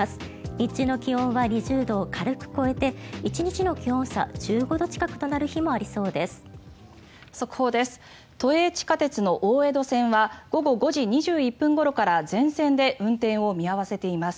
日中の気温は２０度を軽く超えて１日の気温差１５度近くとなる日もありそうです。